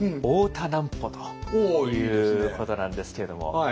大田南畝ということなんですけれども。